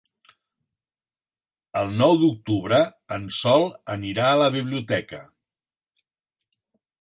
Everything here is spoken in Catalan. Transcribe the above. El nou d'octubre en Sol anirà a la biblioteca.